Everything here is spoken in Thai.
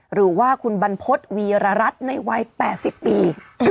หรือว่าคุณบรรพฤษวีรรัฐในวัย๘๐ปี